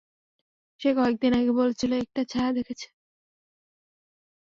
সে কয়েকদিন আগে বলেছিল একটা ছায়া দেখেছে।